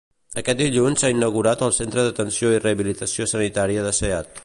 Aquest dilluns s'ha inaugurat el Centre d'Atenció i Rehabilitació Sanitària de Seat.